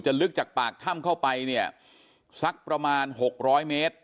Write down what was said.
ลึกจากปากถ้ำเข้าไปเนี่ยสักประมาณ๖๐๐เมตร